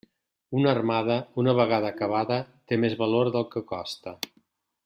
Una armada, una vegada acabada, té més valor del que costa.